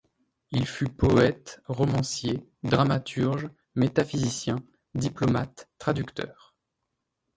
Il fut poète, romancier, dramaturge, métaphysicien, diplomate, traducteur.